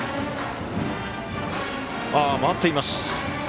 回っています。